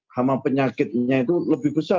hama penyakitnya itu lebih besar